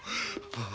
ああ。